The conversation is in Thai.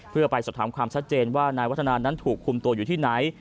เพื่อไปสอบถามความชัดเจนว่านายวัฒนานั้นถูกคุมตัวอยู่ที่ไหน